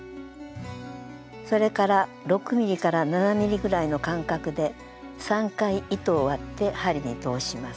それから６ｍｍから７ｍｍぐらいの間隔で３回糸を割って針に通します。